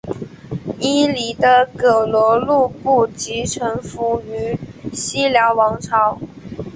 伊犁的葛逻禄部即臣服于西辽王朝。